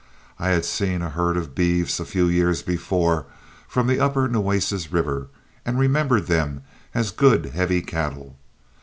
I had seen a herd of beeves, a few years before, from the upper Nueces River, and remembered them as good heavy cattle.